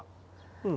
うん。